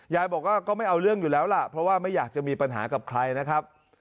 ยายบอกว่าก็ไม่เอาเรื่องอยู่แล้วล่ะเพราะว่าไม่อยากจะมีปัญหากับใครนะครับ